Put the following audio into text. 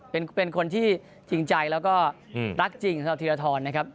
เป็นคนที่จริงใจแล้วก็รักจริงสำหรับธีรทรนะครับ